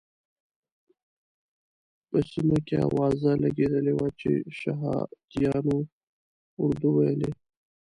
په سیمه کې اوازه لګېدلې وه چې شهادیانو اردو ویلې.